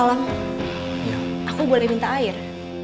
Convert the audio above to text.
aku boleh minta air